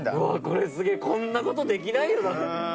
これすげえこんなことできないよな